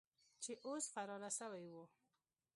چې اوس فراره سوي وو.